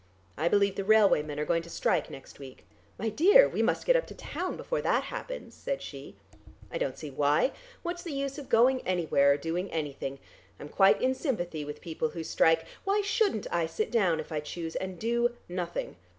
I believe the railwaymen are going to strike next week " "My dear, we must get up to town before that happens," said she. "I don't see why. What's the use of going anywhere, or doing anything? I'm quite in sympathy with people who strike. Why shouldn't I sit down if I choose and do nothing?